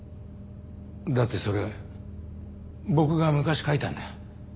だってそれ僕が昔書いたんだ。